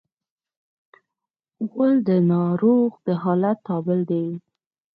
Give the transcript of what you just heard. غول د ناروغ د حالت تابل دی.